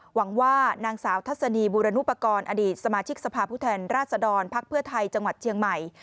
หวังว่านางสาวทัศนีบูรณุปกรณ์อดีตสมาชิกสภาพผู้แทนราชดรภักดิ์เพื่อไทยจังหวัดเชียงใหม่